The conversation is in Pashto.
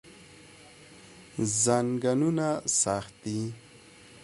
زنګونونه سخت دي.